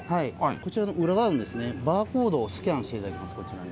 こちらの裏側にバーコードをスキャンしていただきます、こちらに。